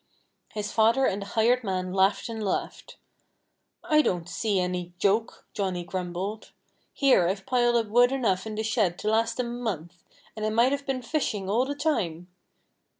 His father and the hired man laughed and laughed. "I don't see any joke," Johnnie grumbled. "Here I've piled up wood enough in the shed to last a month. And I might have been fishing all the time."